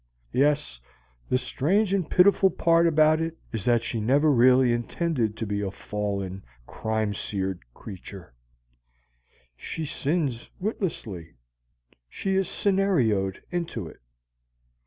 Yes, the strange and pitiful part about it is that she really never intended to be a fallen, crime seared creature. She sins witlessly: she is scenarioed into it.